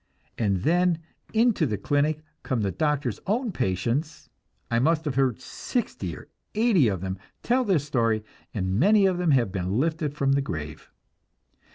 And then into the clinic come the doctor's own patients I must have heard sixty or eighty of them tell their story and many of them have been lifted from the grave.